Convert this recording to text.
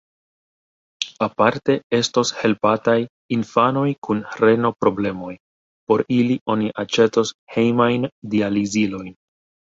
Aparte estos helpataj infanoj kun reno-problemoj: por ili oni aĉetos hejmajn dializilojn.